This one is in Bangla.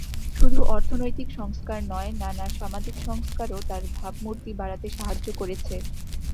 শুধু অর্থনৈতিক সংস্কার নয়, নানা সামাজিক সংস্কারও তাঁর ভাবমূর্তি বাড়াতে সাহায্য করেছে।